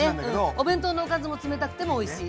お弁当のおかずも冷たくてもおいしい。